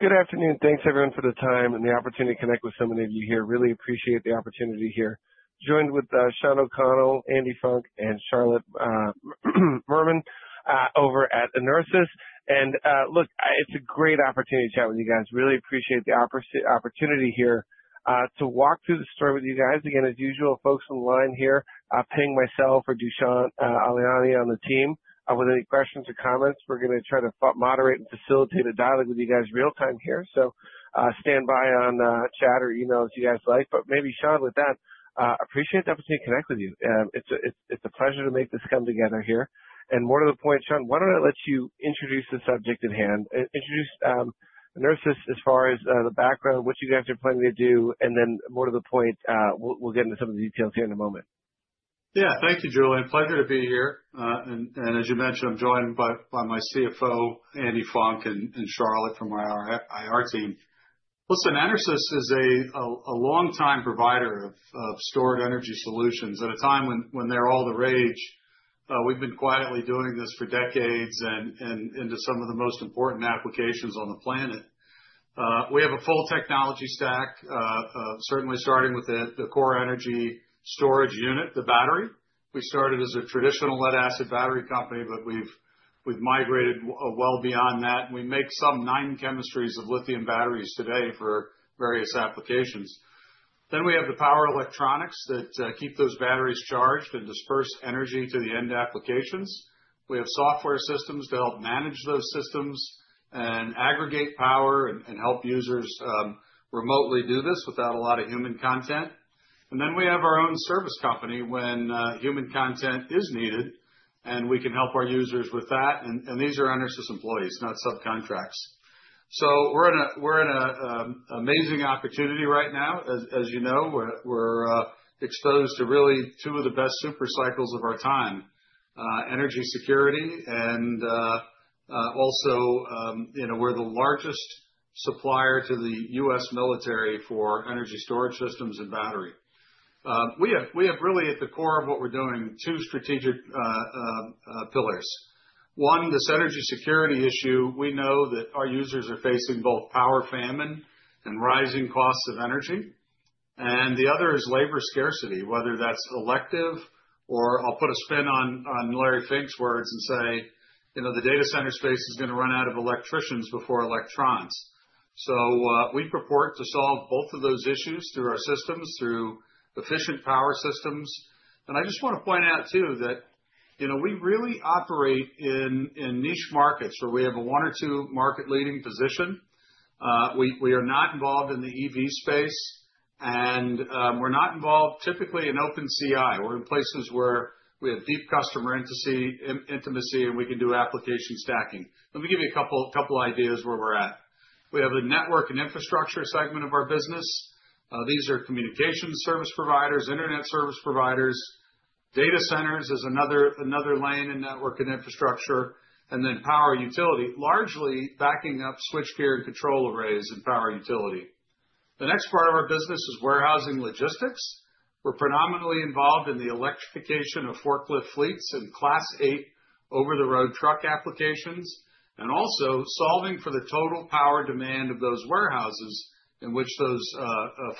Good afternoon. Thanks everyone for the time and the opportunity to connect with so many of you here. Really appreciate the opportunity here. Joined with Shawn O'Connell, Andrea Funk, and Charlotte Murnan over at EnerSys. Look, it's a great opportunity to chat with you guys. Really appreciate the opportunity here to walk through the story with you guys. Again, as usual, folks on the line here, ping myself or Dushyant Ailani on the team with any questions or comments. We're gonna try to moderate and facilitate a dialogue with you guys real time here. Stand by on chat or email if you guys like. Maybe, Shawn, with that, appreciate the opportunity to connect with you. It's a pleasure to make this come together here. More to the point, Shawn, why don't I let you introduce the subject at hand? Introduce EnerSys as far as the background, what you guys are planning to do, and then more to the point, we'll get into some of the details here in a moment. Yeah. Thank you, Julien. Pleasure to be here. As you mentioned, I'm joined by my CFO, Andrea Funk, and Charlotte from our IR team. Listen, EnerSys is a longtime provider of stored energy solutions at a time when they're all the rage. We've been quietly doing this for decades and into some of the most important applications on the planet. We have a full technology stack, certainly starting with the core energy storage unit, the battery. We started as a traditional lead-acid battery company, but we've migrated well beyond that, and we make some nine chemistries of lithium batteries today for various applications. Then we have the power electronics that keep those batteries charged and disperse energy to the end applications. We have software systems to help manage those systems and aggregate power and help users remotely do this without a lot of human content. We have our own service company when human content is needed, and we can help our users with that. These are EnerSys employees, not subcontracts. We're in an amazing opportunity right now. As you know, we're exposed to really two of the best super cycles of our time, energy security and also, you know, we're the largest supplier to the U.S. military for energy storage systems and battery. We have really at the core of what we're doing two strategic pillars. One, this energy security issue. We know that our users are facing both power famine and rising costs of energy, and the other is labor scarcity, whether that's elective or I'll put a spin on Larry Fink's words and say, you know, the data center space is gonna run out of electricians before electrons. We purport to solve both of those issues through our systems, through efficient power systems. I just wanna point out too that, you know, we really operate in niche markets where we have a one or two market leading position. We are not involved in the EV space, and we're not involved typically in open C&I. We're in places where we have deep customer intimacy, and we can do application stacking. Let me give you a couple ideas where we're at. We have the network and infrastructure segment of our business. These are communication service providers, internet service providers. Data centers is another lane in network and infrastructure, and then power utility, largely backing up switchgear and control arrays and power utility. The next part of our business is warehousing logistics. We're predominantly involved in the electrification of forklift fleets and Class 8 over-the-road truck applications, and also solving for the total power demand of those warehouses in which those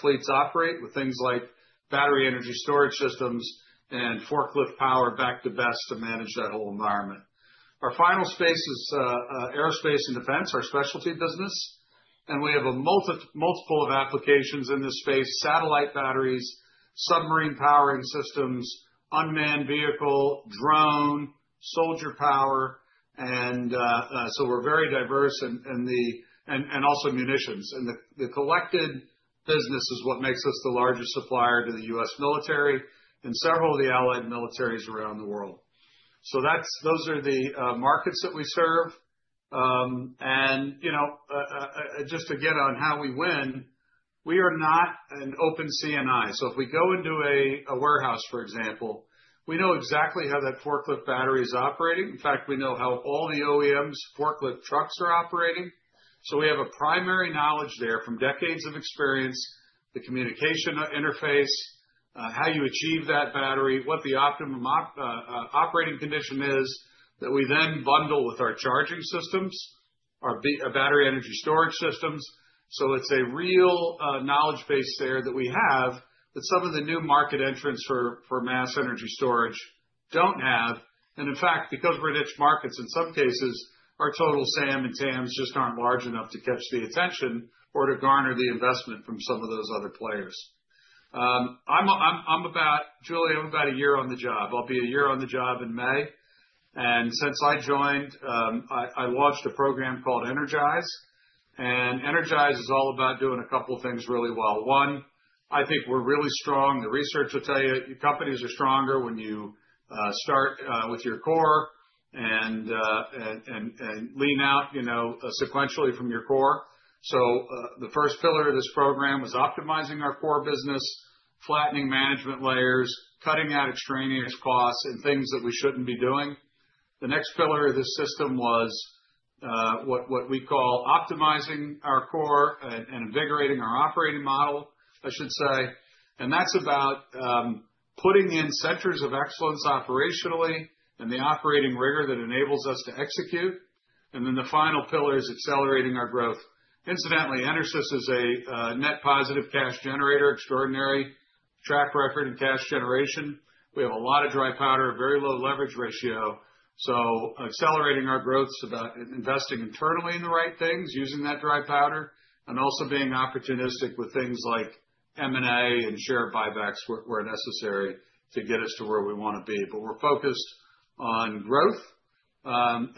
fleets operate with things like battery energy storage systems and forklift power back to BESS to manage that whole environment. Our final space is aerospace and defense, our specialty business, and we have multiple applications in this space, satellite batteries, submarine powering systems, unmanned vehicle, drone, soldier power, and munitions. The critical business is what makes us the largest supplier to the U.S. military and several of the allied militaries around the world. Those are the markets that we serve. You know, just again, on how we win, we are not an open C&I. If we go into a warehouse, for example, we know exactly how that forklift battery is operating. In fact, we know how all the OEMs forklift trucks are operating. We have a proprietary knowledge there from decades of experience, the communication interface, how you charge that battery, what the optimum operating condition is, that we then bundle with our charging systems, our battery energy storage systems. It's a real knowledge base there that we have that some of the new market entrants for mass energy storage don't have. In fact, because we're in niche markets, in some cases, our total SAM and TAMs just aren't large enough to catch the attention or to garner the investment from some of those other players. I'm about a year on the job, Julien. I'll be a year on the job in May. Since I joined, I launched a program called Energize, and Energize is all about doing a couple things really well. One, I think we're really strong. The research will tell you companies are stronger when you start with your core and lean out, you know, sequentially from your core. The first pillar of this program was optimizing our core business, flattening management layers, cutting out extraneous costs and things that we shouldn't be doing. The next pillar of this system was what we call optimizing our core and invigorating our operating model, I should say. That's about putting in centers of excellence operationally and the operating rigor that enables us to execute. The final pillar is accelerating our growth. Incidentally, EnerSys is a net positive cash generator, extraordinary track record in cash generation. We have a lot of dry powder, very low leverage ratio. Accelerating our growth's about investing internally in the right things, using that dry powder, and also being opportunistic with things like M&A and share buybacks where necessary to get us to where we wanna be. We're focused on growth. I'll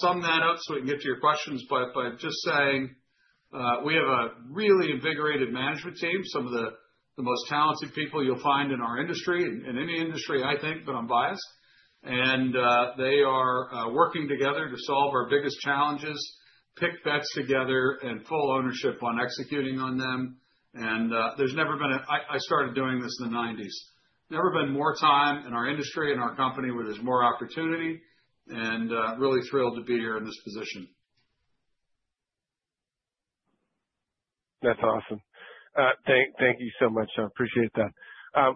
sum that up so we can get to your questions by just saying we have a really invigorated management team, some of the most talented people you'll find in our industry, in any industry, I think, but I'm biased. They are working together to solve our biggest challenges, pick bets together and full ownership on executing on them. I started doing this in the nineties. Never been more time in our industry and our company where there's more opportunity, really thrilled to be here in this position. That's awesome. Thank you so much, Shawn. Appreciate that.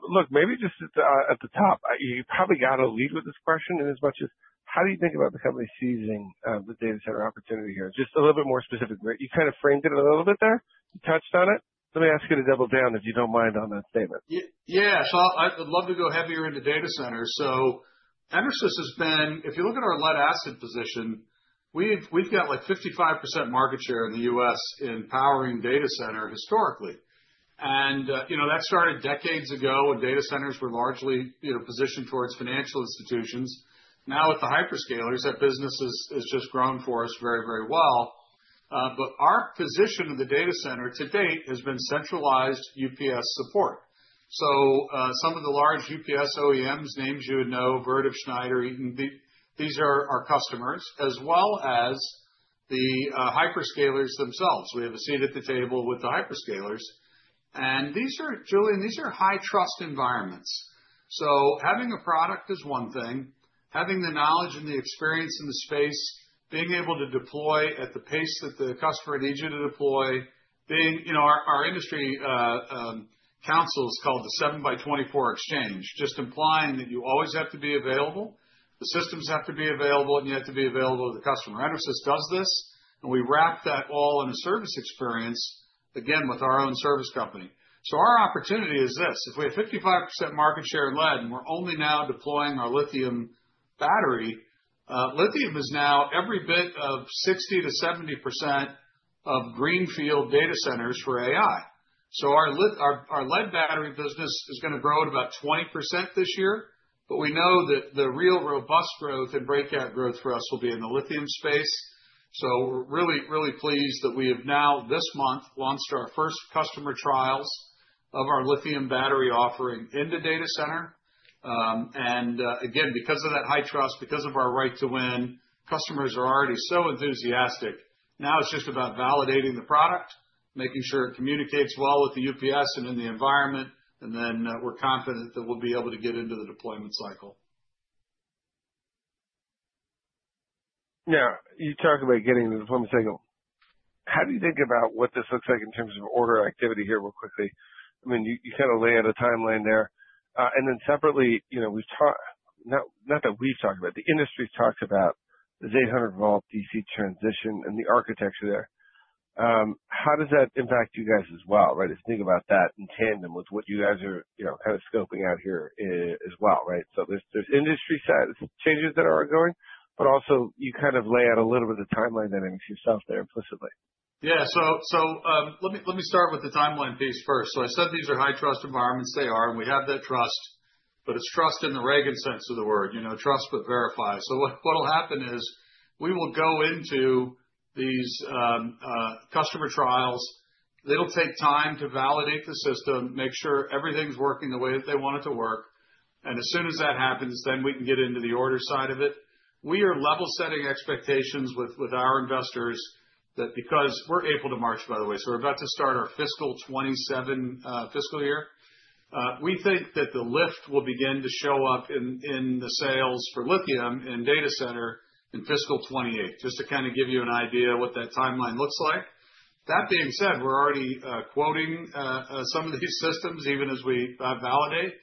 Look, maybe just at the top, you probably gotta lead with this question inasmuch as how do you think about the company seizing the data center opportunity here? Just a little bit more specific. You kind of framed it a little bit there. You touched on it. Let me ask you to double down, if you don't mind, on that statement. Yeah. I'd love to go heavier into data centers. EnerSys has been. If you look at our lead-acid position, we've got, like, 55% market share in the U.S. in powering data centers historically. You know, that started decades ago when data centers were largely positioned towards financial institutions. Now with the hyperscalers, that business has just grown for us very, very well. Our position in the data center to date has been centralized UPS support. Some of the large UPS OEMs, names you would know, Vertiv, Schneider, Eaton, these are our customers, as well as the hyperscalers themselves. We have a seat at the table with the hyperscalers. These are, Julien, high trust environments. Having a product is one thing. Having the knowledge and the experience in the space, being able to deploy at the pace that the customer needs you to deploy. You know, our industry council is called the 7x24 Exchange, just implying that you always have to be available, the systems have to be available, and you have to be available to the customer. EnerSys does this, and we wrap that all in a service experience, again, with our own service company. Our opportunity is this. If we have 55% market share in lead, and we're only now deploying our lithium battery, lithium is now every bit of 60%-70% of greenfield data centers for AI. Our lead battery business is gonna grow at about 20% this year, but we know that the real robust growth and breakout growth for us will be in the lithium space. We're really, really pleased that we have now, this month, launched our first customer trials of our lithium battery offering in the data center. Again, because of that high trust, because of our right to win, customers are already so enthusiastic. Now it's just about validating the product, making sure it communicates well with the UPS and in the environment, and then, we're confident that we'll be able to get into the deployment cycle. Yeah. You talked about getting the deployment cycle. How do you think about what this looks like in terms of order activity here, real quickly? I mean, you kind of lay out a timeline there. And then separately, you know, not that we've talked about, the industry's talked about the 800-volt DC transition and the architecture there. How does that impact you guys as well, right? Think about that in tandem with what you guys are, you know, kind of scoping out here as well, right? There's industry side changes that are ongoing, but also you kind of lay out a little bit of timeline dynamics yourself there implicitly. Yeah. Let me start with the timeline piece first. I said these are high trust environments. They are, and we have that trust, but it's trust in the Reagan sense of the word, you know? Trust, but verify. What'll happen is we will go into these customer trials. They'll take time to validate the system, make sure everything's working the way that they want it to work, and as soon as that happens, then we can get into the order side of it. We are level setting expectations with our investors that because we're April to March, by the way, so we're about to start our fiscal 2027. We think that the lift will begin to show up in the sales for lithium and data center in fiscal 2028, just to kind of give you an idea what that timeline looks like. That being said, we're already quoting some of these systems even as we validate.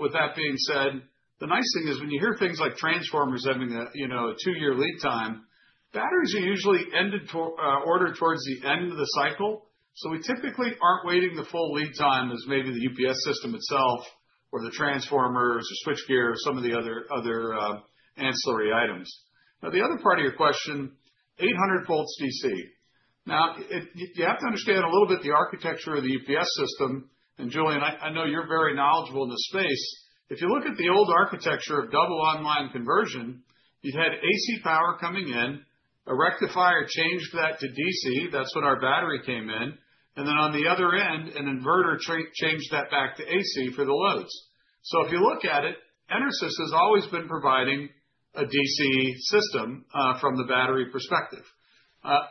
With that being said, the nice thing is when you hear things like transformers having a, you know, a two-year lead time, batteries are usually ordered towards the end of the cycle, so we typically aren't waiting the full lead time as maybe the UPS system itself or the transformers or switchgear or some of the other ancillary items. Now the other part of your question, 800 volts DC. Now, you have to understand a little bit the architecture of the UPS system. Julien, I know you're very knowledgeable in this space. If you look at the old architecture of double online conversion, you had AC power coming in, a rectifier changed that to DC, that's when our battery came in, and then on the other end, an inverter changed that back to AC for the loads. If you look at it, EnerSys has always been providing a DC system, from the battery perspective.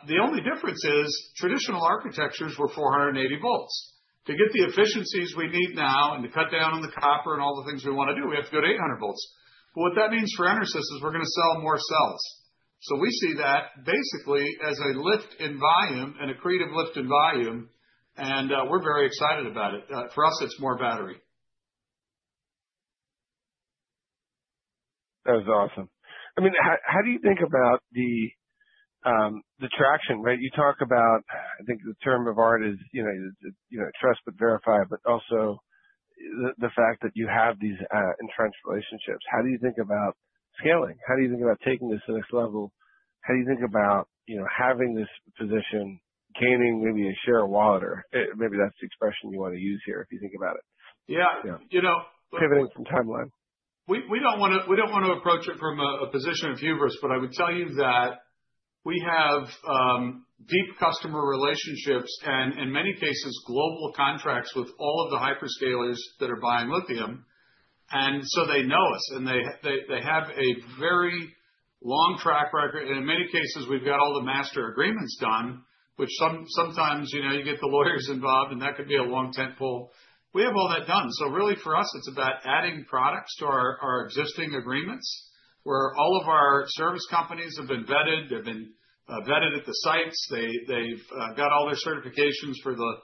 The only difference is traditional architectures were 480 volts. To get the efficiencies we need now and to cut down on the copper and all the things we wanna do, we have to go to 800 volts. What that means for EnerSys is we're gonna sell more cells. We see that basically as a lift in volume, an accretive lift in volume, and we're very excited about it. For us, it's more battery. That was awesome. I mean, how do you think about the traction, right? You talk about, I think the term of art is, you know, trust but verify, but also the fact that you have these entrenched relationships. How do you think about scaling? How do you think about taking this to the next level? How do you think about, you know, having this position, gaining maybe a share of wallet? Maybe that's the expression you wanna use here if you think about it. Yeah. You know. Pivoting from timeline. We don't wanna approach it from a position of hubris, but I would tell you that we have deep customer relationships and in many cases global contracts with all of the hyperscalers that are buying lithium. They know us, and they have a very long track record. In many cases, we've got all the master agreements done, which sometimes, you know, you get the lawyers involved, and that could be a long tentpole. We have all that done. Really for us it's about adding products to our existing agreements, where all of our service companies have been vetted. They've been vetted at the sites. They've got all their certifications for the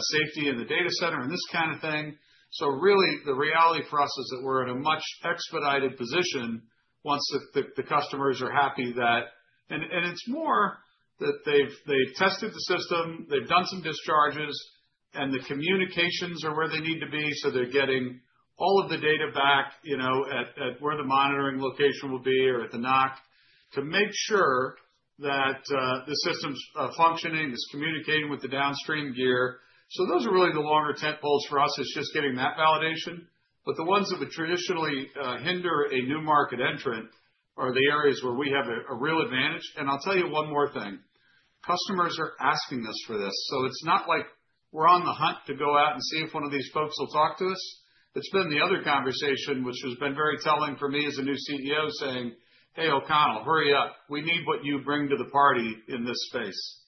safety in the data center and this kind of thing. Really the reality for us is that we're at a much expedited position once the customers are happy that. It's more that they've tested the system, they've done some discharges, and the communications are where they need to be, so they're getting all of the data back, you know, at where the monitoring location will be or at the NOC to make sure that the system's functioning, it's communicating with the downstream gear. Those are really the longer tent poles for us. It's just getting that validation. The ones that would traditionally hinder a new market entrant are the areas where we have a real advantage. I'll tell you one more thing. Customers are asking us for this, so it's not like we're on the hunt to go out and see if one of these folks will talk to us. It's been the other conversation, which has been very telling for me as a new CEO saying, "Hey, O'Connell, hurry up. We need what you bring to the party in this space.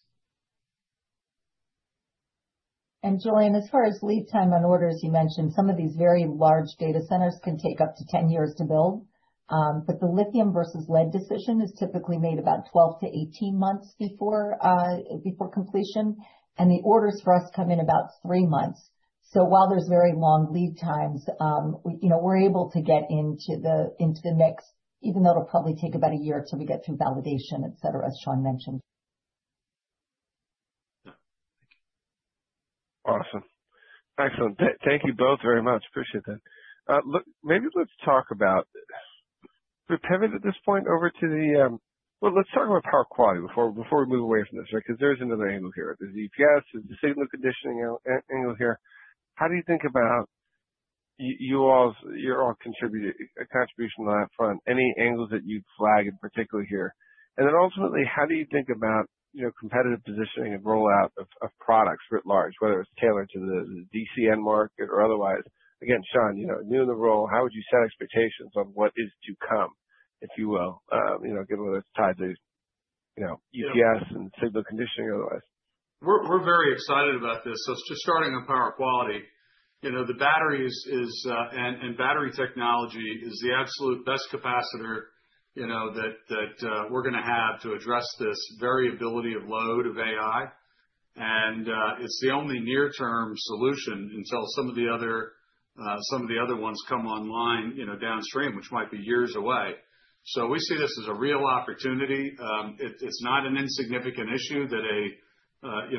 Julien, as far as lead time on orders, you mentioned some of these very large data centers can take up to 10 years to build. But the lithium versus lead decision is typically made about 12-18 months before completion, and the orders for us come in about three months. While there's very long lead times, we, you know, we're able to get into the mix, even though it'll probably take about a year till we get through validation, et cetera, as Shawn mentioned. Awesome. Excellent. Thank you both very much. Appreciate that. Let's talk about power quality before we move away from this, right? Because there's another angle here. There's UPS, there's signal conditioning angle here. How do you think about your contribution on that front, any angles that you'd flag in particular here? And then ultimately, how do you think about, you know, competitive positioning and rollout of products writ large, whether it's tailored to the DCN market or otherwise? Again, Shawn, you know, new in the role, how would you set expectations on what is to come, if you will? You know, given let's tie to, you know. Yeah. UPS and signal conditioning otherwise. We're very excited about this. Just starting with power quality. You know, battery technology is the absolute best capacitor, you know, that we're gonna have to address this variability of load of AI. It's the only near-term solution until some of the other ones come online, you know, downstream, which might be years away. We see this as a real opportunity. It's not an insignificant issue that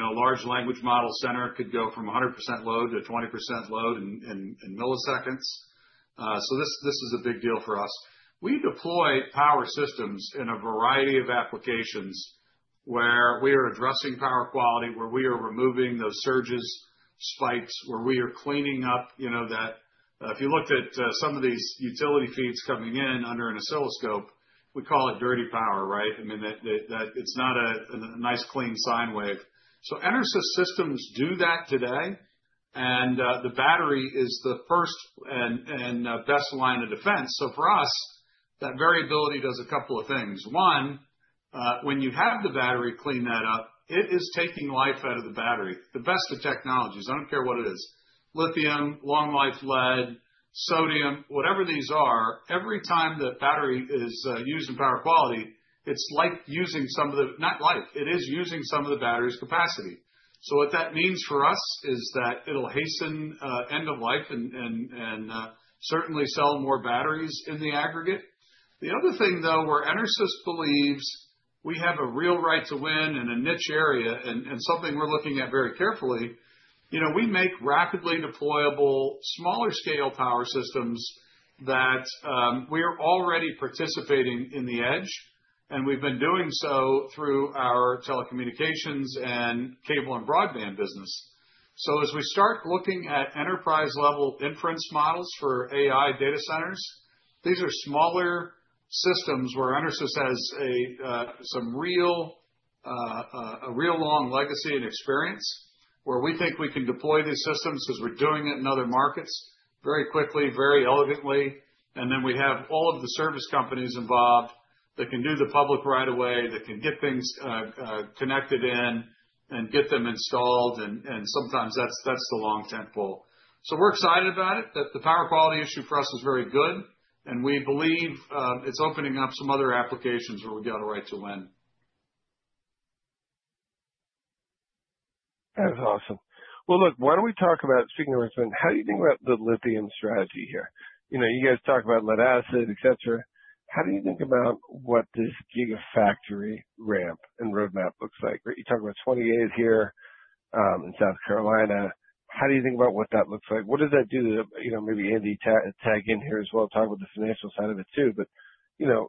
a large language model center could go from 100% load to 20% load in milliseconds. This is a big deal for us. We deploy power systems in a variety of applications where we are addressing power quality, where we are removing those surges, spikes, where we are cleaning up, you know, that. If you looked at some of these utility feeds coming in under an oscilloscope, we call it dirty power, right? I mean, that it's not a nice clean sine wave. EnerSys systems do that today, and the battery is the first and best line of defense. For us, that variability does a couple of things. One, when you have the battery clean that up, it is taking life out of the battery. The best of technologies, I don't care what it is, lithium, long-life lead, sodium, whatever these are, every time the battery is used in power quality, it's like using some of the battery's capacity. What that means for us is that it'll hasten end of life and certainly sell more batteries in the aggregate. The other thing, though, where EnerSys believes we have a real right to win in a niche area and something we're looking at very carefully, you know, we make rapidly deployable smaller scale power systems that we are already participating in the edge, and we've been doing so through our telecommunications and cable and broadband business. As we start looking at enterprise-level inference models for AI data centers, these are smaller systems where EnerSys has a real long legacy and experience, where we think we can deploy these systems as we're doing it in other markets very quickly, very elegantly. Then we have all of the service companies involved that can do the build right away, that can get things connected in and get them installed. Sometimes that's the long tent pole. We're excited about it, that the power quality issue for us is very good, and we believe it's opening up some other applications where we've got a right to win. That's awesome. Well, look, why don't we talk about signal risk then? How do you think about the lithium strategy here? You know, you guys talk about lead-acid, et cetera. How do you think about what this gigafactory ramp and roadmap looks like? You're talking about 28 here in South Carolina. How do you think about what that looks like? What does that do to, you know, maybe Andy, tag in here as well, talk about the financial side of it too, but, you know,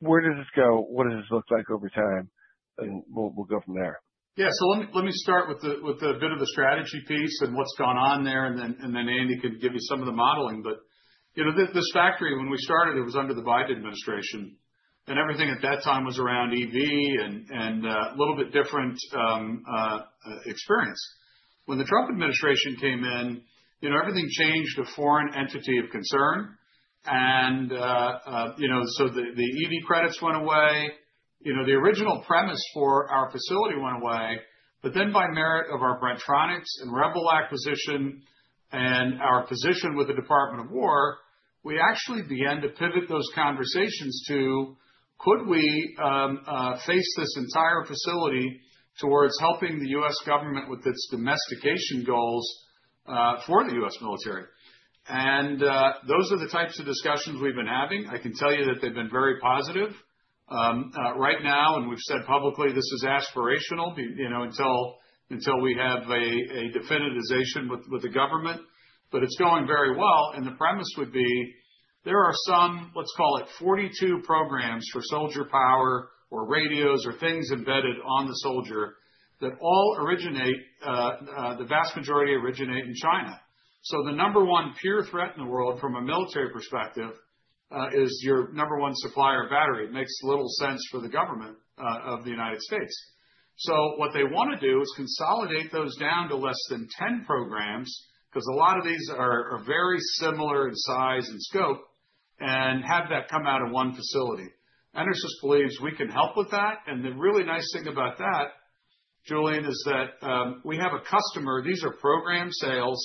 where does this go? What does this look like over time? We'll go from there. Yeah. Let me start with a bit of the strategy piece and what's gone on there, and then Andy can give you some of the modeling. You know, this factory, when we started, it was under the Biden administration. Everything at that time was around EV and a little bit different experience. When the Trump administration came in, you know, everything changed to foreign entity of concern, so the EV credits went away. You know, the original premise for our facility went away. Then by merit of our Bren-Tronics and Rebel acquisition and our position with the Department of Defense, we actually began to pivot those conversations to, could we face this entire facility towards helping the U.S. government with its domestication goals for the U.S. military? Those are the types of discussions we've been having. I can tell you that they've been very positive. Right now, and we've said publicly, this is aspirational, you know, until we have a definitization with the government. But it's going very well. The premise would be there are some, let's call it 42 programs for soldier power or radios or things embedded on the soldier that all originate, the vast majority originate in China. So the number one pure threat in the world from a military perspective is your number one supplier of battery. It makes little sense for the government of the United States. What they wanna do is consolidate those down to less than 10 programs, because a lot of these are very similar in size and scope, and have that come out of one facility. EnerSys believes we can help with that. The really nice thing about that, Julien, is that we have a customer. These are program sales,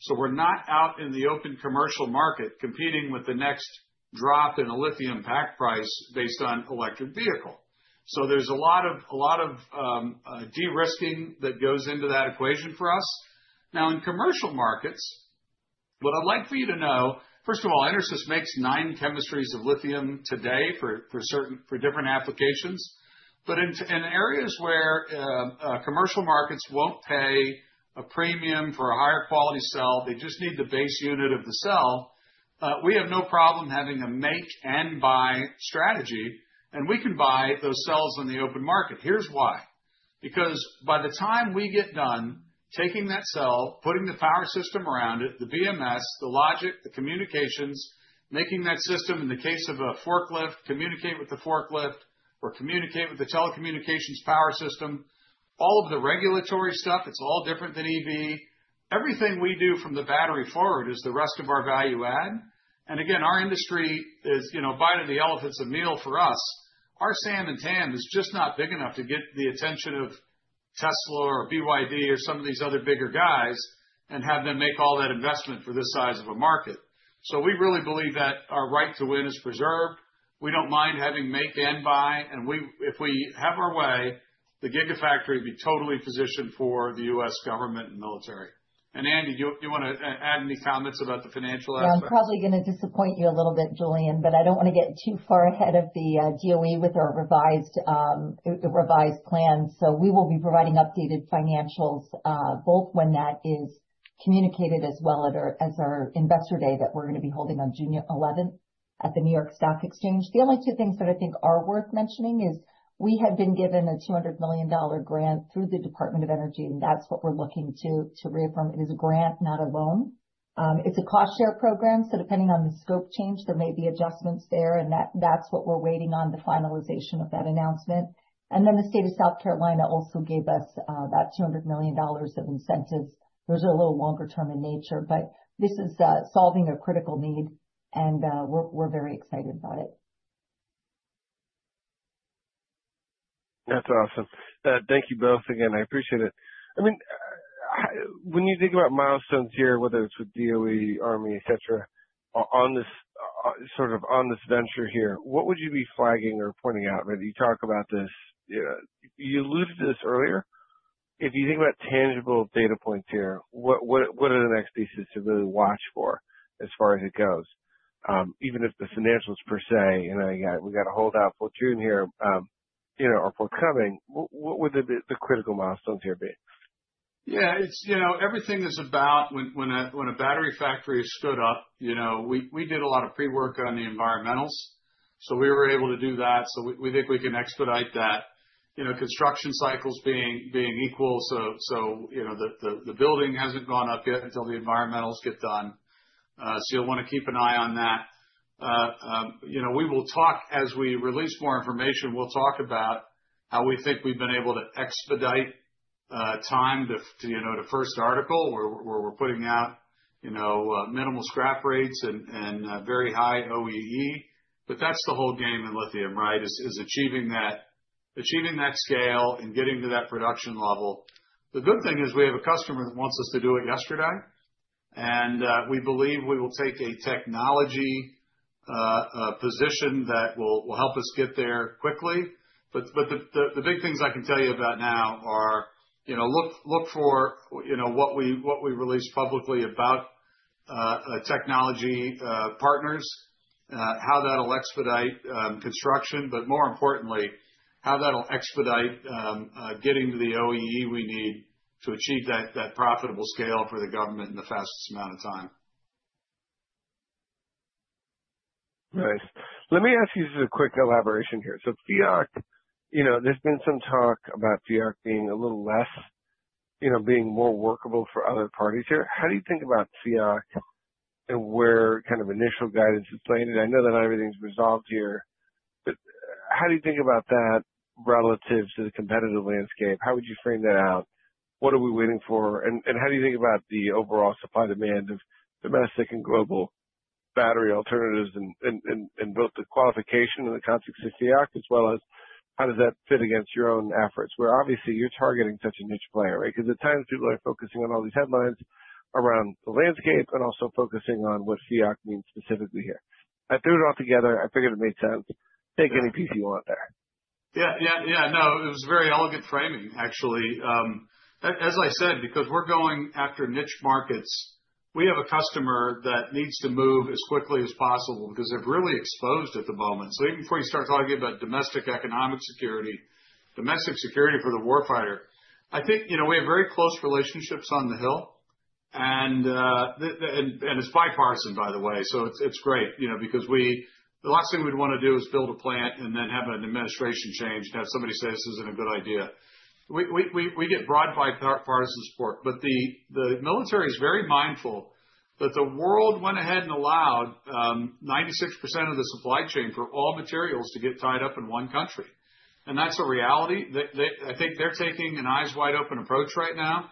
so we're not out in the open commercial market competing with the next drop in a lithium pack price based on electric vehicle. There's a lot of de-risking that goes into that equation for us. Now, in commercial markets, what I'd like for you to know, first of all, EnerSys makes nine chemistries of lithium today for different applications. In areas where commercial markets won't pay a premium for a higher quality cell, they just need the base unit of the cell, we have no problem having a make and buy strategy, and we can buy those cells on the open market. Here's why. Because by the time we get done taking that cell, putting the power system around it, the BMS, the logic, the communications, making that system in the case of a forklift, communicate with the forklift or communicate with the telecommunications power system, all of the regulatory stuff, it's all different than EV. Everything we do from the battery forward is the rest of our value add. Again, our industry is, you know, bite of the elephant's a meal for us. Our SAM and TAM is just not big enough to get the attention of Tesla or BYD or some of these other bigger guys and have them make all that investment for this size of a market. We really believe that our right to win is preserved. We don't mind having make and buy, and we, if we have our way, the gigafactory will be totally positioned for the U.S. government and military. Andy, do you wanna add any comments about the financial aspect? Yeah, I'm probably gonna disappoint you a little bit, Julien, but I don't wanna get too far ahead of the DOE with our revised plans. We will be providing updated financials both when that is communicated as well at our investor day that we're gonna be holding on June eleventh at the New York Stock Exchange. The only two things that I think are worth mentioning is we have been given a $200 million grant through the Department of Energy, and that's what we're looking to reaffirm. It is a grant, not a loan. It's a cost-share program, so depending on the scope change, there may be adjustments there, and that's what we're waiting on, the finalization of that announcement. The state of South Carolina also gave us about $200 million of incentives. Those are a little longer term in nature, but this is solving a critical need, and we're very excited about it. That's awesome. Thank you both again. I appreciate it. I mean, when you think about milestones here, whether it's with DOE, Army, et cetera, on this sort of venture here, what would you be flagging or pointing out? Maybe you talk about this. You alluded to this earlier. If you think about tangible data points here, what are the next pieces to really watch for as far as it goes? Even if the financials per se, you know, we gotta hold out for June here, you know, or for coming, what would the critical milestones here be? Yeah. It's, you know, everything is about when a battery factory is stood up, you know, we did a lot of pre-work on the environmentals, so we were able to do that. So we think we can expedite that. You know, construction cycles being equal, so you know, the building hasn't gone up yet until the environmentals get done. So you'll wanna keep an eye on that. You know, we will talk as we release more information, we'll talk about how we think we've been able to expedite time to first article where we're putting out minimal scrap rates and very high OEE. But that's the whole game in lithium, right? Achieving that scale and getting to that production level. The good thing is we have a customer that wants us to do it yesterday. We believe we will take a technology position that will help us get there quickly. The big things I can tell you about now are, you know, look for what we release publicly about technology partners, how that'll expedite construction, but more importantly, how that'll expedite getting to the OEE we need to achieve that profitable scale for the government in the fastest amount of time. Nice. Let me ask you just a quick elaboration here. So FEOC, you know, there's been some talk about FEOC being a little less, you know, being more workable for other parties here. How do you think about FEOC and where kind of initial guidance is playing it? I know that not everything's resolved here, but how do you think about that relative to the competitive landscape? How would you frame that out? What are we waiting for? How do you think about the overall supply demand of domestic and global battery alternatives in both the qualification and the context of FEOC, as well as how does that fit against your own efforts? Where obviously you're targeting such a niche player, right? Because at times people are focusing on all these headlines around the landscape and also focusing on what FEOC means specifically here. I threw it all together. I figured it made sense. Take any piece you want there. Yeah. No, it was a very elegant framing, actually. As I said, because we're going after niche markets, we have a customer that needs to move as quickly as possible because they're really exposed at the moment. Even before you start talking about domestic economic security, domestic security for the war fighter, I think, you know, we have very close relationships on the Hill. It's bipartisan, by the way, so it's great, you know, because the last thing we'd wanna do is build a plant and then have an administration change, and have somebody say this isn't a good idea. We get broad bipartisan support. The military is very mindful that the world went ahead and allowed 96% of the supply chain for all materials to get tied up in one country. That's a reality. I think they're taking an eyes wide open approach right now.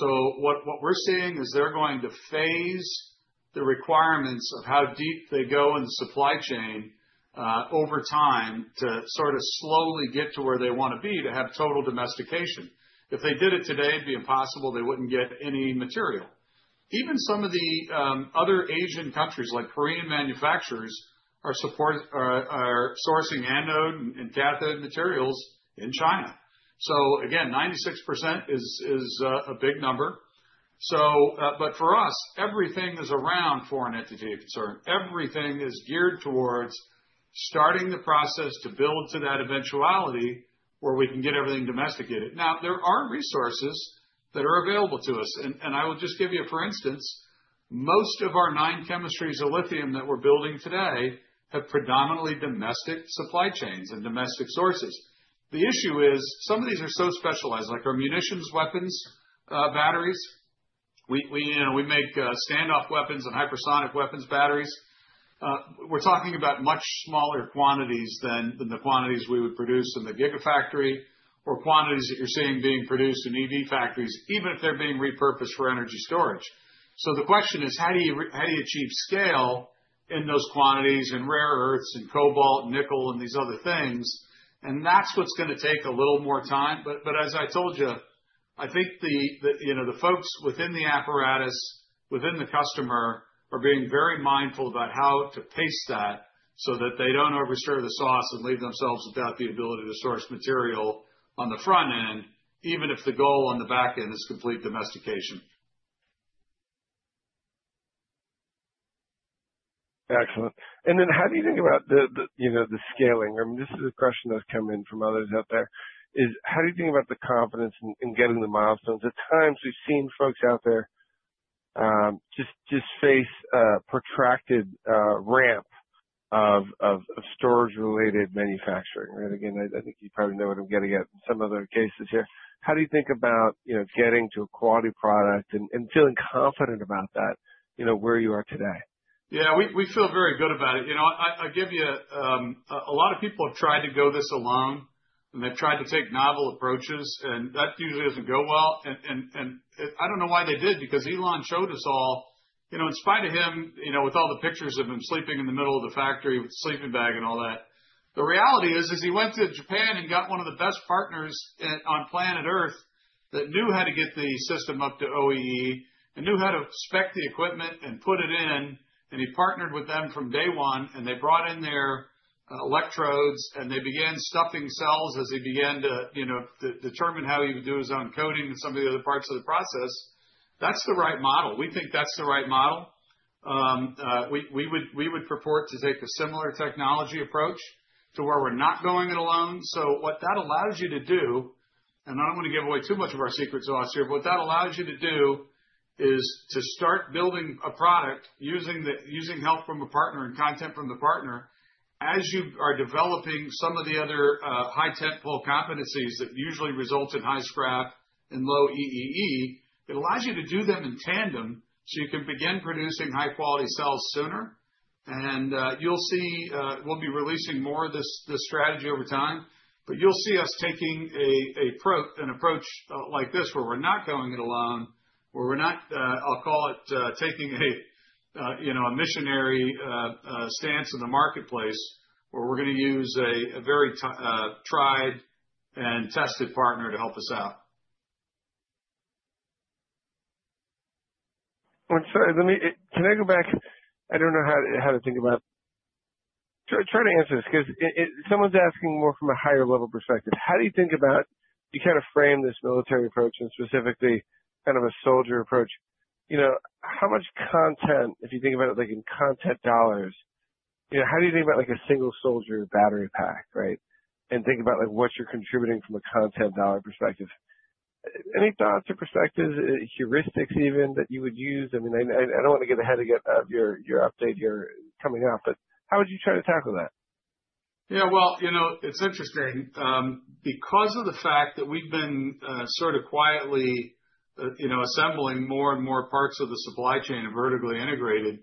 What we're seeing is they're going to phase the requirements of how deep they go in the supply chain over time to sort of slowly get to where they wanna be to have total domestication. If they did it today, it'd be impossible. They wouldn't get any material. Even some of the other Asian countries, like Korean manufacturers, are sourcing anode and cathode materials in China. Again, 96% is a big number. But for us, everything is around foreign entity of concern. Everything is geared towards starting the process to build to that eventuality where we can get everything domesticated. Now, there are resources that are available to us. I will just give you a for instance, most of our nine chemistries of lithium that we're building today have predominantly domestic supply chains and domestic sources. The issue is some of these are so specialized, like our munitions weapons batteries. You know, we make standoff weapons and hypersonic weapons batteries. We're talking about much smaller quantities than the quantities we would produce in the gigafactory or quantities that you're seeing being produced in EV factories, even if they're being repurposed for energy storage. So the question is, how do you achieve scale in those quantities in rare earths, in cobalt, nickel, and these other things? That's what's gonna take a little more time. As I told you, I think the you know, the folks within the apparatus, within the customer are being very mindful about how to pace that so that they don't overstir the sauce and leave themselves without the ability to source material on the front end, even if the goal on the back end is complete domestication. Excellent. How do you think about the you know the scaling? I mean, this is a question that's come in from others out there, is how do you think about the confidence in getting the milestones? At times we've seen folks out there just face a protracted ramp of storage-related manufacturing. Again, I think you probably know what I'm getting at in some other cases here. How do you think about you know getting to a quality product and feeling confident about that you know where you are today? Yeah, we feel very good about it. You know, I give you a lot of people have tried to go this alone, and they've tried to take novel approaches, and that usually doesn't go well. I don't know why they did, because Elon showed us all, you know, in spite of him, you know, with all the pictures of him sleeping in the middle of the factory with a sleeping bag and all that, the reality is he went to Japan and got one of the best partners on planet Earth that knew how to get the system up to OEE and knew how to spec the equipment and put it in. He partnered with them from day one, and they brought in their electrodes, and they began stuffing cells as he began to, you know, to determine how he would do his own coding and some of the other parts of the process. That's the right model. We think that's the right model. We would purport to take a similar technology approach to where we're not going it alone. What that allows you to do, and I don't wanna give away too much of our secret sauce here, but what that allows you to do is to start building a product using help from a partner and content from the partner. As you are developing some of the other high-tech foil competencies that usually result in high scrap and low OEE, it allows you to do them in tandem, so you can begin producing high-quality cells sooner. You'll see we'll be releasing more of this strategy over time. You'll see us taking an approach like this, where we're not going it alone, where we're not taking a, you know, a missionary stance in the marketplace, where we're gonna use a very tried and tested partner to help us out. I'm sorry. Let me. Can I go back? I don't know how to think about. Try to answer this because it, someone's asking more from a higher level perspective. How do you think about how you kind of frame this military approach and specifically kind of a soldier approach? You know, how much content, if you think about it, like in content dollars, you know, how do you think about like a single soldier battery pack, right? And think about like what you're contributing from a content dollar perspective. Any thoughts or perspectives, heuristics even that you would use? I mean, I don't want to get ahead of your update here coming up, but how would you try to tackle that? Yeah. Well, you know, it's interesting. Because of the fact that we've been sort of quietly, you know, assembling more and more parts of the supply chain and vertically integrated,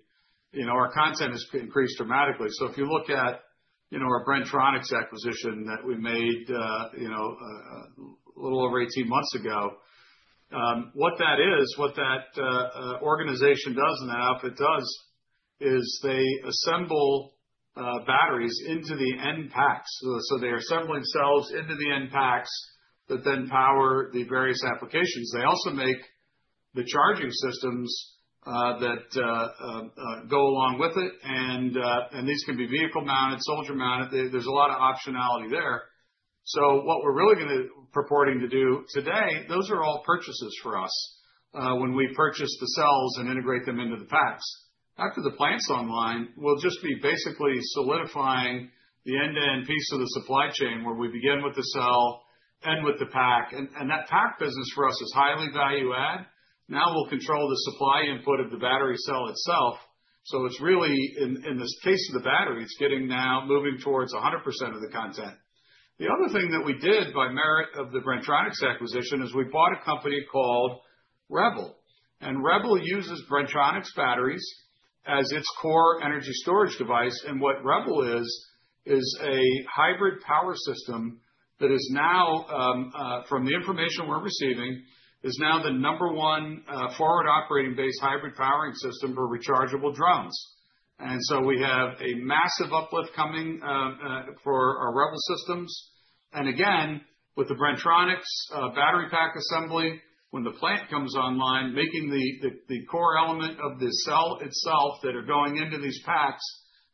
you know, our content has increased dramatically. If you look at, you know, our Bren-Tronics acquisition that we made, you know, a little over 18 months ago, what that organization does and that outfit does is they assemble batteries into the end packs. They're assembling cells into the end packs that then power the various applications. They also make the charging systems that go along with it. These can be vehicle-mounted, soldier-mounted. There's a lot of optionality there. What we're really reporting today, those are all purchases for us, when we purchase the cells and integrate them into the packs. After the plant's online, we'll just be basically solidifying the end-to-end piece of the supply chain, where we begin with the cell, end with the pack. That pack business for us is highly value add. Now we'll control the supply input of the battery cell itself, so it's really in this case of the battery, it's getting now moving towards 100% of the content. The other thing that we did by virtue of the Bren-Tronics acquisition is we bought a company called Rebel. Rebel uses Bren-Tronics batteries as its core energy storage device. What Rebel is is a hybrid power system that is now, from the information we're receiving, is now the number one forward operating base hybrid powering system for rechargeable drones. Again, with the Bren-Tronics battery pack assembly, when the plant comes online, making the core element of the cell itself that are going into these packs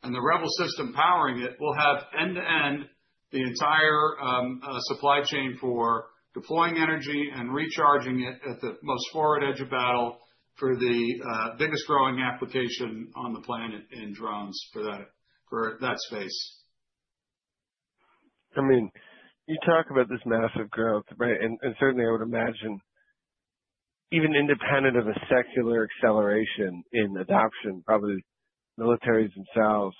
and the Rebel system powering it will have end-to-end the entire supply chain for deploying energy and recharging it at the most forward edge of battle for the biggest growing application on the planet in drones for that space. I mean, you talk about this massive growth, right? And certainly I would imagine even independent of a secular acceleration in adoption, probably militaries themselves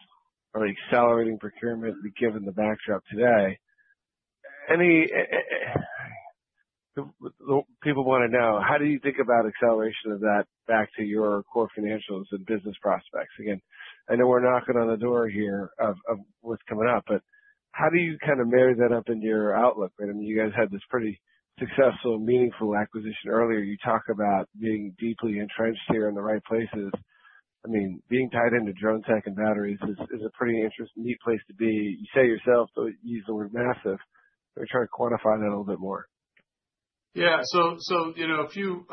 are accelerating procurement given the backdrop today. People wanna know, how do you think about acceleration of that back to your core financials and business prospects? Again, I know we're knocking on the door here of what's coming up, but how do you kind of marry that up in your outlook? I mean, you guys had this pretty successful, meaningful acquisition earlier. You talk about being deeply entrenched here in the right places. I mean, being tied into drone tech and batteries is a pretty interesting, neat place to be. You say yourself, you use the word massive, but try to quantify that a little bit more. Yeah, you know, if you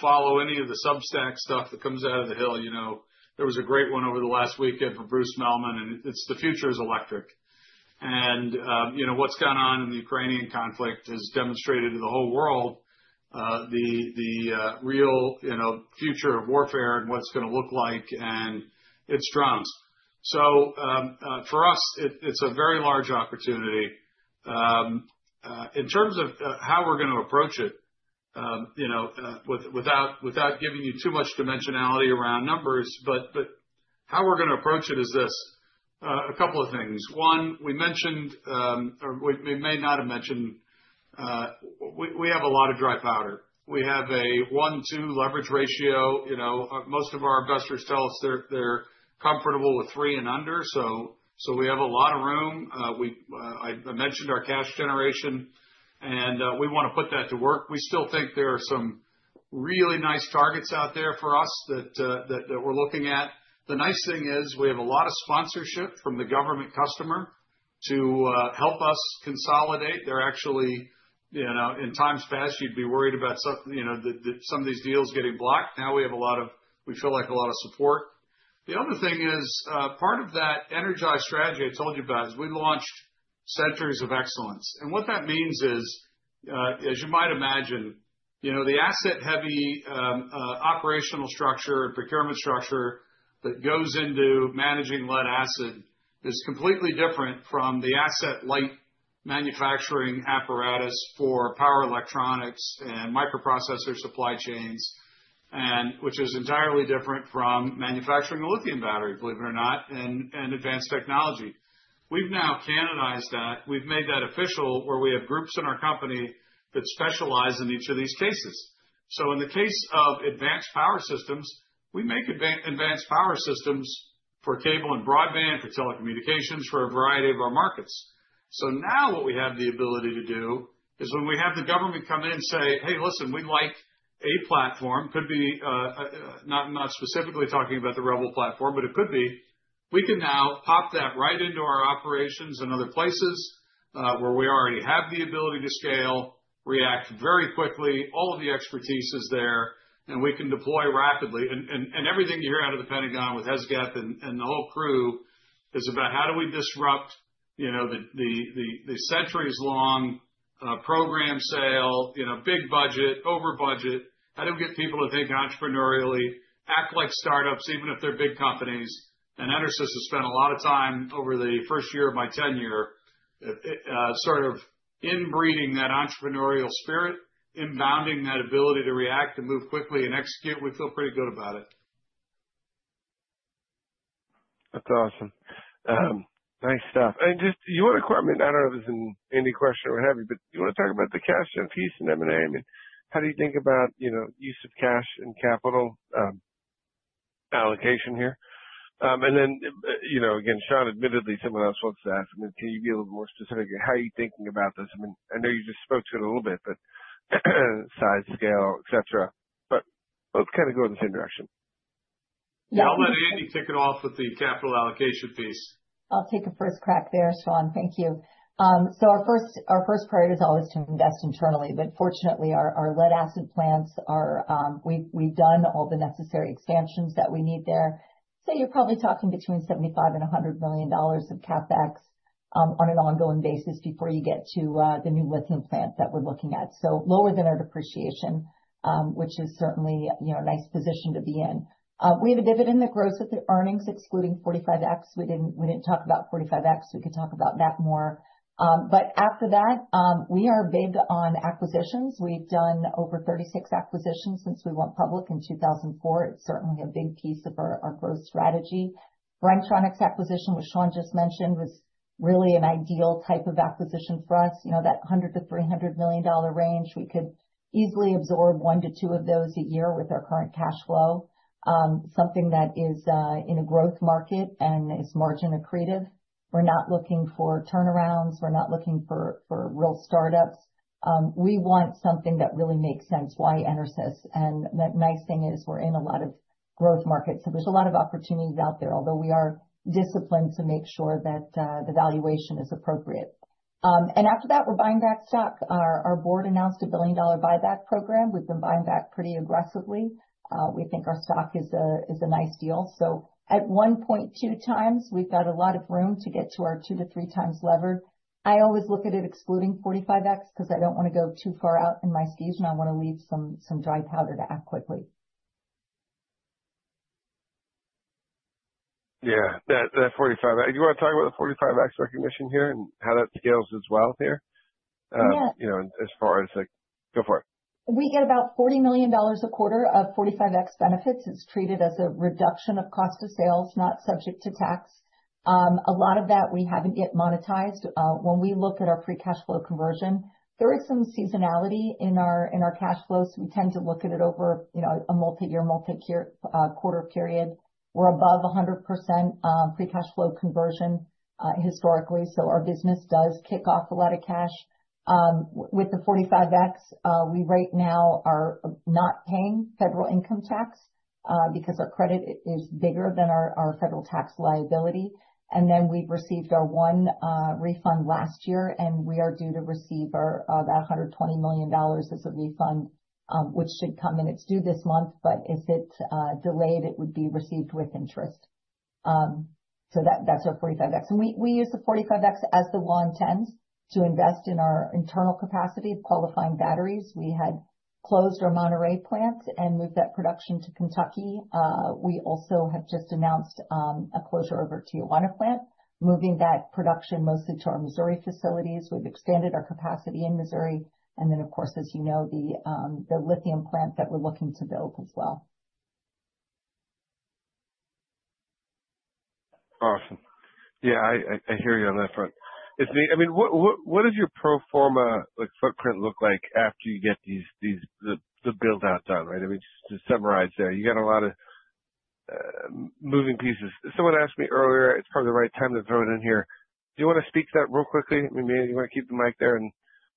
follow any of the Substack stuff that comes out of the hill, you know, there was a great one over the last weekend from Bruce Mehlman, and it's the future is electric. You know, what's gone on in the Ukrainian conflict has demonstrated to the whole world the real, you know, future of warfare and what it's gonna look like, and it's drones. For us, it's a very large opportunity. In terms of how we're gonna approach it, you know, without giving you too much dimensionality around numbers, but how we're gonna approach it is this. A couple of things. One, we mentioned, or we may not have mentioned, we have a lot of dry powder. We have a 1-2 leverage ratio. Most of our investors tell us they're comfortable with three and under. We have a lot of room. I mentioned our cash generation, and we wanna put that to work. We still think there are some really nice targets out there for us that we're looking at. The nice thing is we have a lot of sponsorship from the government customer to help us consolidate. They're actually in times past, you'd be worried about some of these deals getting blocked. Now we feel like a lot of support. The other thing is part of that Energize strategy I told you about is we launched centers of excellence. What that means is, as you might imagine, you know, the asset-heavy operational structure and procurement structure that goes into managing lead acid is completely different from the asset-light manufacturing apparatus for power electronics and microprocessor supply chains, and which is entirely different from manufacturing a lithium battery, believe it or not, and advanced technology. We've now canonized that. We've made that official, where we have groups in our company that specialize in each of these cases. In the case of advanced power systems, we make advanced power systems for cable and broadband, for telecommunications, for a variety of our markets. Now what we have the ability to do is when we have the government come in and say, "Hey, listen, we'd like a platform," could be, not specifically talking about the Rebel platform, but it could be. We can now pop that right into our operations in other places where we already have the ability to scale, react very quickly, all of the expertise is there, and we can deploy rapidly. Everything you hear out of the Pentagon with Hegseth and the whole crew is about how do we disrupt, you know, the centuries-long program sale, you know, big budget, over budget. How do we get people to think entrepreneurially, act like startups, even if they're big companies? EnerSys has spent a lot of time over the first year of my tenure, sort of imbuing that entrepreneurial spirit, unbounding that ability to react and move quickly and execute. We feel pretty good about it. That's awesome. Nice stuff. Just, do you wanna comment? I don't know if it's in any question or what have you, but do you wanna talk about the cash infusion, M&A? I mean, how do you think about, you know, use of cash and capital allocation here? Then, you know, again, Shawn, admittedly, someone else wants to ask. I mean, can you be a little more specific how you're thinking about this? I mean, I know you just spoke to it a little bit, but size, scale, et cetera. Both kind of go in the same direction. I'll let Andy kick it off with the capital allocation piece. I'll take a first crack there, Shawn. Thank you. Our first priority is always to invest internally, but fortunately, our lead-acid plants are, we've done all the necessary expansions that we need there. You're probably talking between $75 million-$100 million of CapEx on an ongoing basis before you get to the new lithium plant that we're looking at. Lower than our depreciation, which is certainly, you know, a nice position to be in. We have a dividend that grows with the earnings, excluding 45X. We didn't talk about 45X. We could talk about that more. After that, we are big on acquisitions. We've done over 36 acquisitions since we went public in 2004. It's certainly a big piece of our growth strategy. Bren-Tronics acquisition, which Shawn just mentioned, was really an ideal type of acquisition for us. You know, that $100 million-$300 million range, we could easily absorb one to two of those a year with our current cash flow. Something that is in a growth market and is margin accretive. We're not looking for turnarounds. We're not looking for real startups. We want something that really makes sense, why EnerSys? The nice thing is we're in a lot of growth markets, so there's a lot of opportunities out there. Although we are disciplined to make sure that the valuation is appropriate. After that, we're buying back stock. Our board announced a $1 billion buyback program. We've been buying back pretty aggressively. We think our stock is a nice deal. At 1.2x, we've got a lot of room to get to our 2-3x leverage. I always look at it excluding 45X because I don't wanna go too far out in my horizon. I wanna leave some dry powder to act quickly. Yeah. That 45, do you wanna talk about the 45X recognition here and how that scales as well here? Yeah. You know, as far as like, go for it. We get about $40 million a quarter of 45X benefits. It's treated as a reduction of cost of sales, not subject to tax. A lot of that we haven't yet monetized. When we look at our free cash flow conversion, there is some seasonality in our cash flows. We tend to look at it over, you know, a multi-year, quarter period. We're above 100% free cash flow conversion, historically, so our business does kick off a lot of cash. With the 45X, we right now are not paying federal income tax, because our credit is bigger than our federal tax liability. Then we've received our one refund last year, and we are due to receive our that $120 million as a refund, which should come in. It's due this month, but if it's delayed, it would be received with interest. That's our 45X. We use the 45X as the incentive to invest in our internal capacity of qualifying batteries. We had closed our Monterrey plant and moved that production to Kentucky. We also have just announced a closure of our Tijuana plant, moving that production mostly to our Missouri facilities. We've expanded our capacity in Missouri. Then, of course, as you know, the lithium plant that we're looking to build as well. Awesome. Yeah, I hear you on that front. I mean, what does your pro forma like footprint look like after you get these, the build out done, right? I mean, just to summarize there. You got a lot of moving pieces. Someone asked me earlier, it's probably the right time to throw it in here. Do you wanna speak to that real quickly? I mean, you wanna keep the mic there and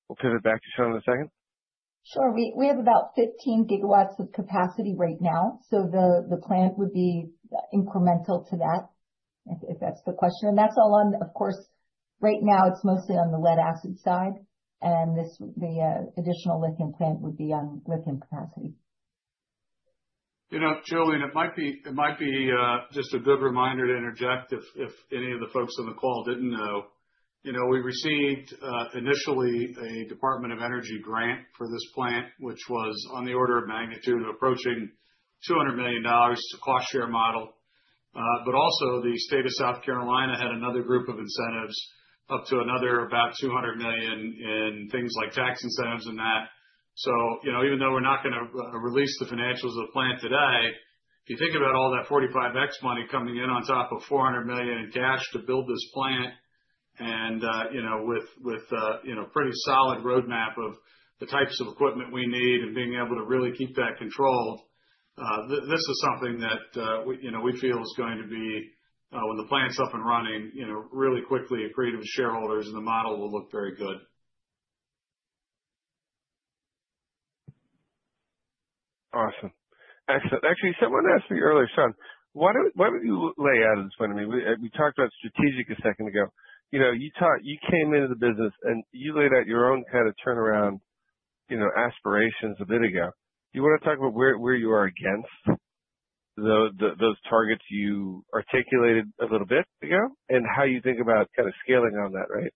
we'll pivot back to Shawn in a second? Sure. We have about 15 GW of capacity right now, so the plant would be incremental to that, if that's the question. Of course, right now, it's mostly on the lead acid side, and this additional lithium plant would be on lithium capacity. You know, Julien, it might be just a good reminder to interject if any of the folks on the call didn't know. You know, we received initially a U.S. Department of Energy grant for this plant, which was on the order of magnitude approaching $200 million. It's a cost share model. Also, the state of South Carolina had another group of incentives up to another about $200 million in things like tax incentives and that. You know, even though we're not gonna release the financials of the plant today, if you think about all that 45X money coming in on top of $400 million in cash to build this plant, you know, with a pretty solid roadmap of the types of equipment we need and being able to really keep that control, this is something that we, you know, we feel is going to be, when the plant's up and running, you know, really quickly accretive to shareholders and the model will look very good. Awesome. Excellent. Actually, someone asked me earlier, Shawn, why don't you lay out in front of me. We talked about strategy a second ago. You know, you came into the business, and you laid out your own kind of turnaround, you know, aspirations a bit ago. Do you wanna talk about where you are against those targets you articulated a little bit ago, and how you think about kind of scaling on that, right?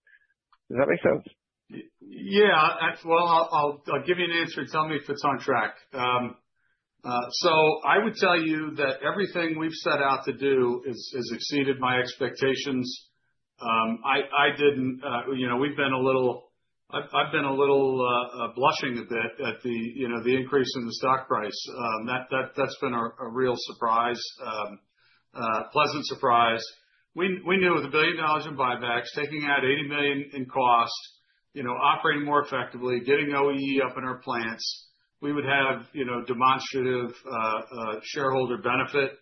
Does that make sense? Yeah. Well, I'll give you an answer and tell me if it's on track. So I would tell you that everything we've set out to do has exceeded my expectations. I didn't, you know, we've been a little. I've been a little blushing a bit at the, you know, the increase in the stock price. That's been a real surprise, pleasant surprise. We knew with $1 billion in buybacks, taking out $80 million in costs, you know, operating more effectively, getting OEE up in our plants, we would have, you know, demonstrative shareholder benefit.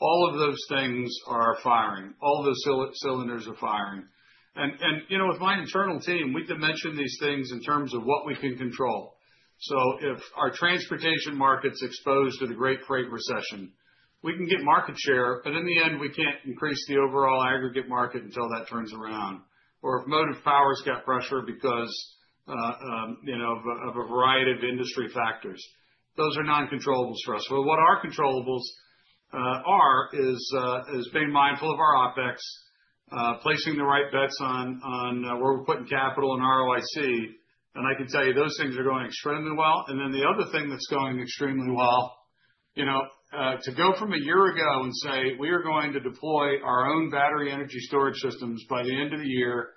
All of those things are firing. All of those cylinders are firing. You know, with my internal team, we dimension these things in terms of what we can control. If our transportation market's exposed to the great freight recession, we can get market share, but in the end, we can't increase the overall aggregate market until that turns around. If motive power's got pressure because of a variety of industry factors, those are non-controllables for us. What our controllables are is being mindful of our OPEX, placing the right bets on where we're putting capital and ROIC, and I can tell you those things are going extremely well. The other thing that's going extremely well to go from a year ago and say, we are going to deploy our own battery energy storage systems by the end of the year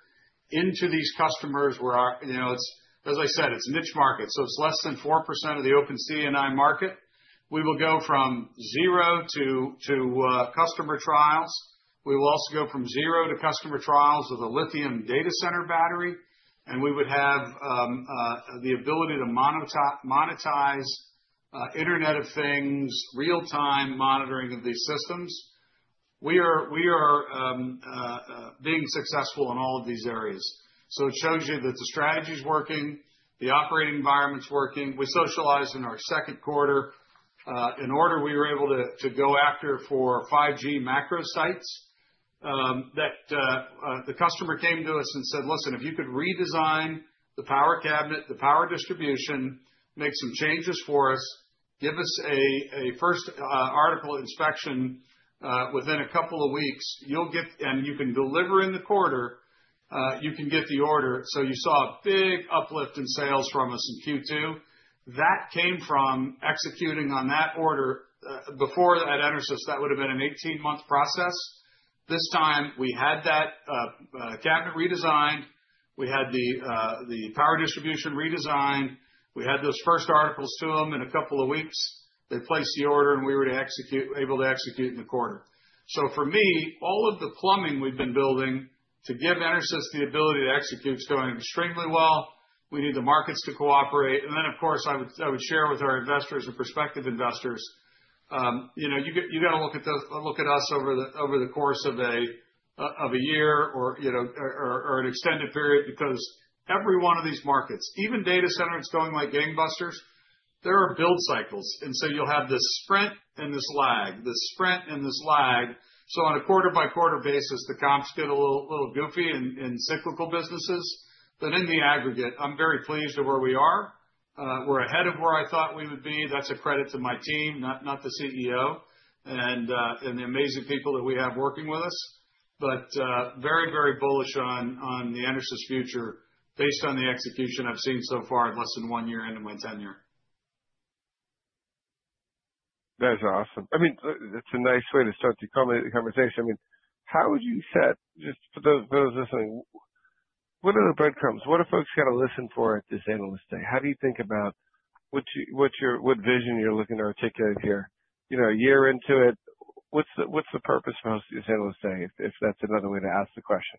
into these customers where our- You know, as I said, it's niche market, so it's less than 4% of the open C&I market. We will go from zero to customer trials. We will also go from zero to customer trials with a lithium data center battery, and we would have the ability to monetize Internet of Things real-time monitoring of these systems. We are being successful in all of these areas. It shows you that the strategy's working, the operating environment's working. We socialized in our second quarter. An order we were able to go after for 5G macro sites, the customer came to us and said, "Listen, if you could redesign the power cabinet, the power distribution, make some changes for us, give us a first article inspection within a couple of weeks, you'll get the order." You saw a big uplift in sales from us in Q2. That came from executing on that order. Before at EnerSys, that would have been an 18-month process. This time, we had that cabinet redesigned, we had the power distribution redesigned, we had those first articles to them in a couple of weeks. They placed the order, and we were able to execute in the quarter. For me, all of the plumbing we've been building to give EnerSys the ability to execute is going extremely well. We need the markets to cooperate. Of course, I would share with our investors and prospective investors, you know, you gotta look at us over the course of a year or, you know, or an extended period, because every one of these markets, even data center that's going like gangbusters, there are build cycles. You'll have this sprint and this lag, this sprint and this lag. On a quarter-by-quarter basis, the comps get a little goofy in cyclical businesses. In the aggregate, I'm very pleased at where we are. We're ahead of where I thought we would be. That's a credit to my team, not the CEO and the amazing people that we have working with us. Very bullish on the EnerSys future based on the execution I've seen so far in less than one year into my tenure. That is awesome. I mean, that's a nice way to start to culminate the conversation. I mean, Just for those listening, what are the breadcrumbs? What do folks gotta listen for at this Analyst Day? How do you think about what vision you're looking to articulate here? You know, a year into it, what's the purpose for most of this Analyst Day, if that's another way to ask the question?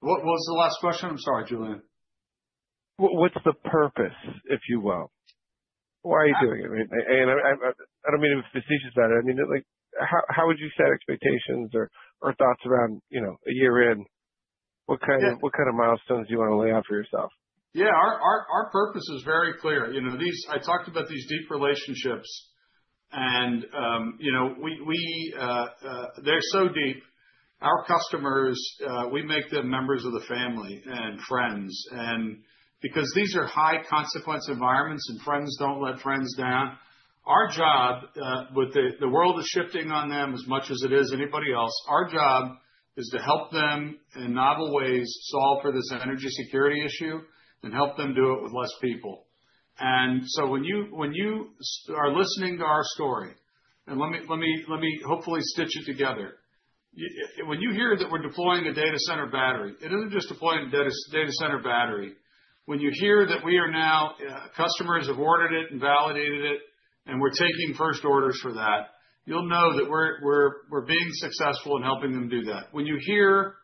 What was the last question? I'm sorry, Julien. What's the purpose, if you will? Why are you doing it? I mean, I don't mean to be facetious about it. I mean it like how would you set expectations or thoughts around, you know, a year in? What kind of- Yeah. What kind of milestones do you wanna lay out for yourself? Yeah. Our purpose is very clear. You know, I talked about these deep relationships. You know, they're so deep. Our customers, we make them members of the family and friends. Because these are high consequence environments, friends don't let friends down, our job with the world is shifting on them as much as it is anybody else, our job is to help them in novel ways solve for this energy security issue and help them do it with less people. When you are listening to our story, let me hopefully stitch it together. When you hear that we're deploying a data center battery, it isn't just deploying a data center battery. When you hear that we are now, customers have ordered it and validated it, and we're taking first orders for that, you'll know that we're being successful in helping them do that. When you hear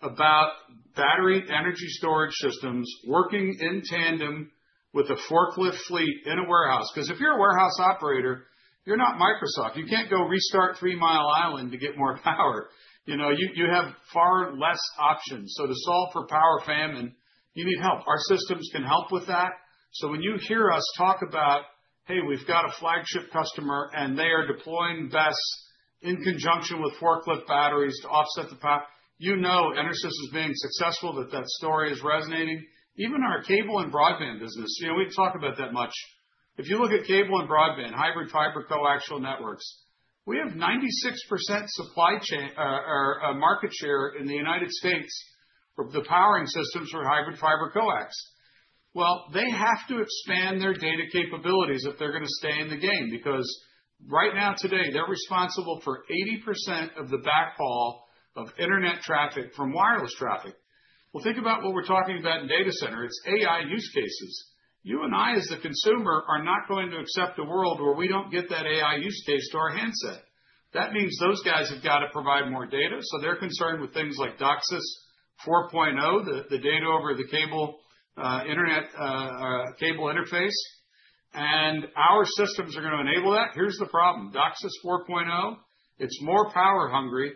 about battery energy storage systems working in tandem with a forklift fleet in a warehouse, 'cause if you're a warehouse operator, you're not Microsoft. You can't go restart Three Mile Island to get more power. You know, you have far less options. To solve for power famine, you need help. Our systems can help with that. When you hear us talk about, Hey, we've got a flagship customer, and they are deploying BESS in conjunction with forklift batteries to offset the power. You know EnerSys is being successful, that story is resonating. Even our cable and broadband business, you know, we've talked about that much. If you look at cable and broadband, hybrid fiber-coaxial networks, we have 96% supply chain or market share in the United States for the powering systems for hybrid fiber coax. Well, they have to expand their data capabilities if they're gonna stay in the game, because right now, today, they're responsible for 80% of the backhaul of internet traffic from wireless traffic. Well, think about what we're talking about in data center. It's AI use cases. You and I, as the consumer, are not going to accept a world where we don't get that AI use case to our handset. That means those guys have got to provide more data, so they're concerned with things like DOCSIS 4.0, the data over the cable internet cable interface. Our systems are gonna enable that. Here's the problem, DOCSIS 4.0, it's more power hungry,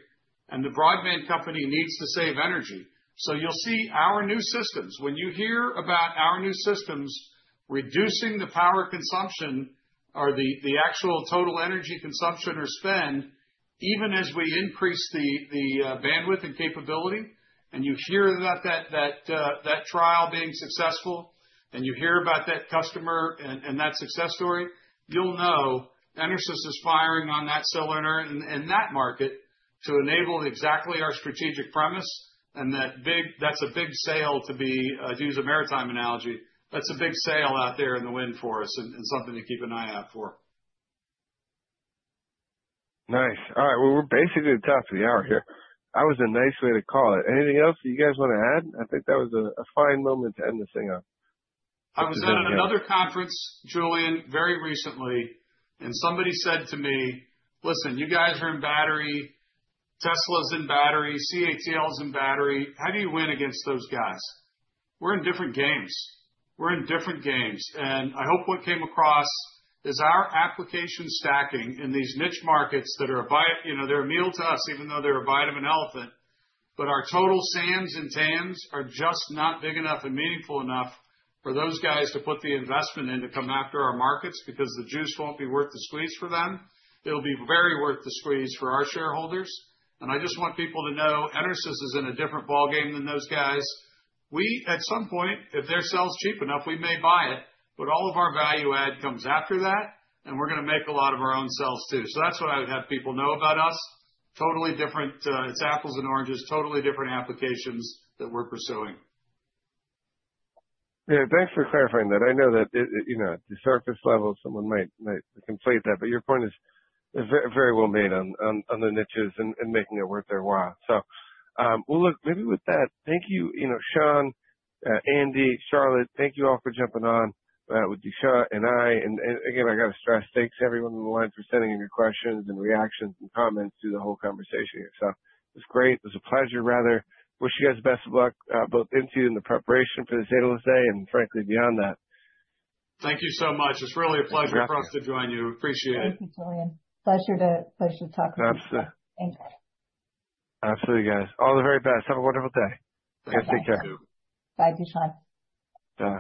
and the broadband company needs to save energy. You'll see our new systems. When you hear about our new systems reducing the power consumption or the actual total energy consumption or spend, even as we increase the bandwidth and capability, and you hear that trial being successful, and you hear about that customer and that success story, you'll know EnerSys is firing on that cylinder in that market to enable exactly our strategic premise. That's a big sail, to use a maritime analogy, out there in the wind for us and something to keep an eye out for. Nice. All right. Well, we're basically at the top of the hour here. That was a nice way to call it. Anything else you guys want to add? I think that was a fine moment to end this thing on. I was at another conference, Julien, very recently, and somebody said to me, "Listen, you guys are in battery. Tesla's in battery. CATL is in battery. How do you win against those guys?" We're in different games. I hope what came across is our application stacking in these niche markets that are you know, they're a meal to us, even though they're a bite of an elephant, but our total SAMs and TAMs are just not big enough and meaningful enough for those guys to put the investment in to come after our markets because the juice won't be worth the squeeze for them. It'll be very worth the squeeze for our shareholders, and I just want people to know, EnerSys is in a different ballgame than those guys. We, at some point, if their cells cheap enough, we may buy it, but all of our value add comes after that, and we're gonna make a lot of our own cells too. That's what I would have people know about us. Totally different. It's apples and oranges, totally different applications that we're pursuing. Thanks for clarifying that. I know that, you know, at the surface level, someone might conflate that, but your point is very well made on the niches and making it worth their while. Well, look, maybe with that, thank you know, Shawn, Andrea, Charlotte, thank you all for jumping on with Dushyant and I. And again, I gotta stress, thanks to everyone on the line for sending in your questions and reactions and comments through the whole conversation here. It was great. It was a pleasure, rather. Wish you guys best of luck both into and the preparation for this analyst day and frankly, beyond that. Thank you so much. It's really a pleasure for us to join you. Appreciate it. Thank you, Julien. Pleasure talking to you. Absolutely. Thanks. Absolutely, guys. All the very best. Have a wonderful day. You guys take care. Thank you. Bye, Dushyant. Bye.